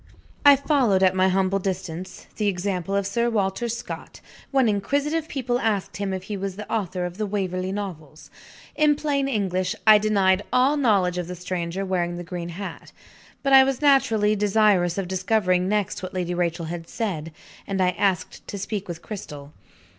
I followed, at my humble distance, the example of Sir Walter Scott, when inquisitive people asked him if he was the author of the Waverley Novels. In plain English, I denied all knowledge of the stranger wearing the green hat. But, I was naturally desirous of discovering next what Lady Rachel had said; and I asked to speak with Cristel.